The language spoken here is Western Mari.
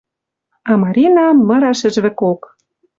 А Марина мыра шӹжвӹкок.